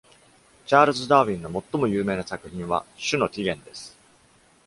チャールズ・ダーウィンの最も有名な作品は「種の起源」です。